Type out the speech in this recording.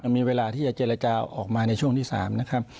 มีเวลาที่จะเจรจาออกมาในช่วงที่๓นะครับ